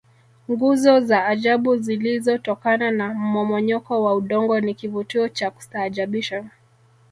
nguzo za ajabu zilizotokana na mmomonyoko wa udongo ni kivutio cha kustaajabisha